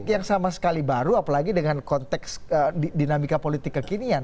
yang sama sekali baru apalagi dengan konteks dinamika politik kekinian